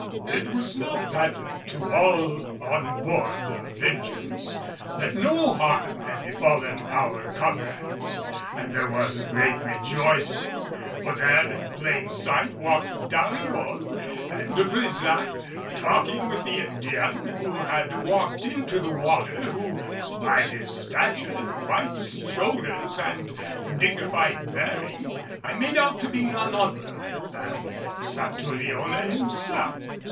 It was now patent to all on board the Vengeance that no harm had befallen our comrades, and there was great rejoicing. For there in plain sight walked Dariol and De Brésac talking with the Indian who had walked into the water, who, by his stature, wide shoulders and dignified bearing, I made out to be none other than Satouriona himself.